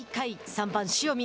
３番塩見。